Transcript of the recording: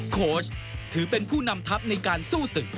โค้ชถือเป็นผู้นำทัพในการสู้ศึก